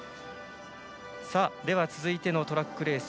続いてのトラックレース